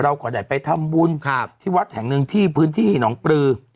เราก็ได้ไปทำบุญที่วัดแห่งหนึ่งที่พื้นที่หนองปลือ